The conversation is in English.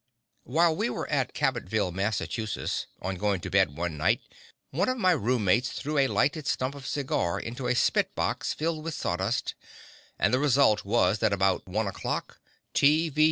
While we were at Cabotville, Massachusetts, on going to bed one night one of my room mates threw a lighted stump of a cigar into a spit box filled with sawdust and the result was that about one o'clock T. V.